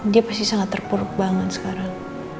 dia pasti sangat terpuruk banget sekarang